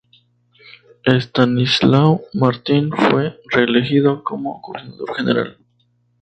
Estanislao Martín fue reelegido como coordinador general.